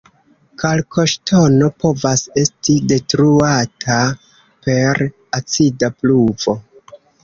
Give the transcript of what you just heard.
Kalkoŝtono povas esti detruata per acida pluvo.